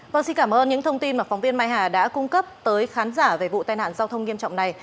vâng xin cảm ơn những thông tin mà phóng viên mai hà đã cung cấp tới khán giả về vụ tai nạn giao thông nghiêm trọng này